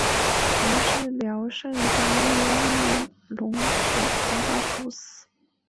于是辽圣宗耶律隆绪将他处死。